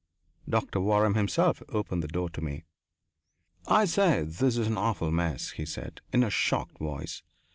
Doctor Waram himself opened the door to me. "I say, this is an awful mess," he said, in a shocked voice.